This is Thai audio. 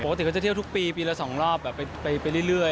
ปกติเขาจะเที่ยวทุกปีปีละสองรอบไปเรื่อย